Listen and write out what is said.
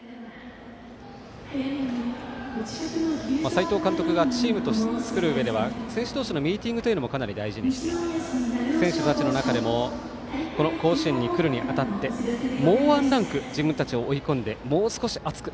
斎藤監督がチームを作るうえでは選手同士のミーティングもかなり大事にしていて選手たちの中でも甲子園に来るに当たってもうワンランク自分たちを追い込んでもう少し熱く